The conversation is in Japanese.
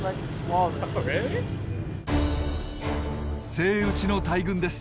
セイウチの大群です。